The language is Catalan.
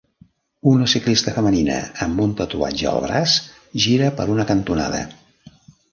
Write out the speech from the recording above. Una ciclista femenina amb un tatuatge al braç gira per una cantonada.